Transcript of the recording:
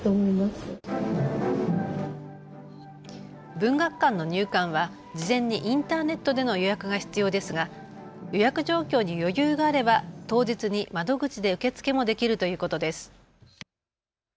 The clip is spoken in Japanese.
文学館の入館は事前にインターネットでの予約が必要ですが予約状況に余裕があれば当日に窓口で受け付けもできるということです。